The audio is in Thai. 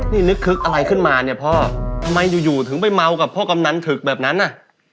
นี่นึกคึกอะไรขึ้นมาเนี่ยพ่อทำไมอยู่อยู่ถึงไปเมากับพ่อกำนันถึกแบบนั้นอ่ะ